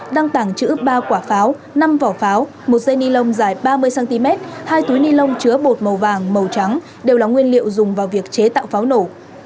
đang tàng trữ ba quả pháo năm vỏ pháo một dây ni lông dài ba mươi cm hai túi ni lông chứa bột màu vàng màu trắng đều là nguyên liệu dùng vào việc chế tạo pháo nổ